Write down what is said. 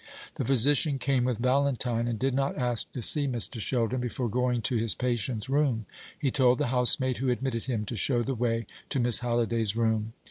The physician came with Valentine, and did not ask to see Mr. Sheldon before going to his patient's room. He told the housemaid who admitted him to show the way to Miss Halliday's room.